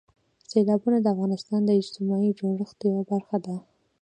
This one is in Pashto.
سیلابونه د افغانستان د اجتماعي جوړښت یوه برخه ده.